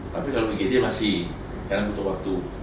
tapi kalau igd masih karena butuh waktu